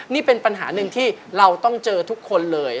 นี่เป็นปัญหาหนึ่งที่เราต้องเจอทุกคนเลย